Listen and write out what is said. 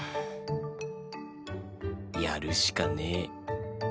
やるしかねえ。